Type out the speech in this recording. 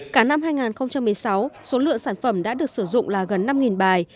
cả năm hai nghìn một mươi sáu số lượng sản phẩm đã được sử dụng là gần năm bài